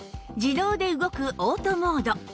自動で動くオートモード